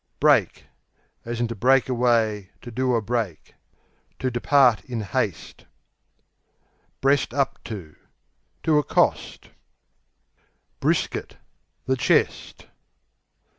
Break (to break away, to do a break) To depart in haste. Breast up to To accost. Brisket The chest.